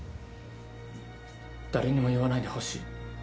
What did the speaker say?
誰にも言わないでほしい。